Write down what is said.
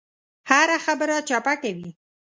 هره خبره چپه کوي.